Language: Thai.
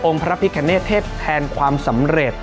พระพิคเนตเทศแทนความสำเร็จ